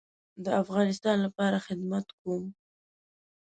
د افغانستان لپاره خدمت کوم